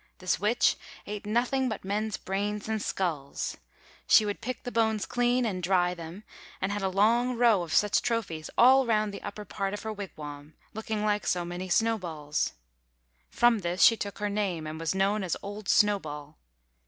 This witch ate nothing but men's brains and skulls. She would pick the bones clean, and dry them, and had a long row of such trophies all round the upper part of her wigwam, looking like so many snowballs. From this she took her name, and was known as old Snowball.